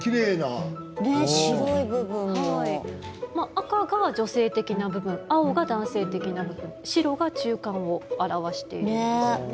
赤が女性的な部分青が男性的な部分白が中間を表しているんですよね。